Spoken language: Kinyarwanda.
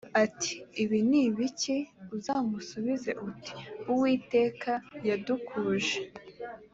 ati ibi ni ibiki uzamusubize uti uwiteka yadukuje